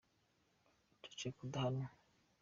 Ceceka udahanwa.